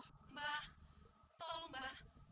mbah tolong mbah